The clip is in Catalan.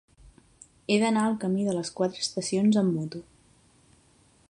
He d'anar al camí de les Quatre Estacions amb moto.